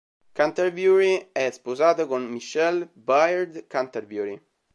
Canterbury è sposato con Michelle Byrd-Canterbury.